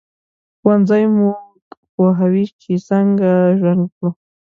ښوونځی موږ پوهوي چې څنګه ژوند وکړو